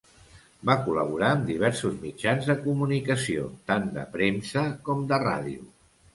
Va col·laborar amb diversos mitjans de comunicació, tant de premsa com de ràdio.